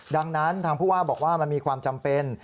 ดังนั้นทางผู้ว่าบอกว่ามันมีความจำเป็น